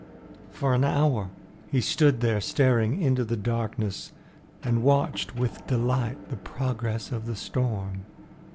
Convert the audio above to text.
For an hour he stood there staring into the darkness and watched with delight the progress of the storm.